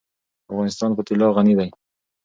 افغانستان په طلا غني دی.